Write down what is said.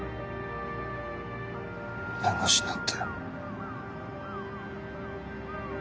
弁護士になって。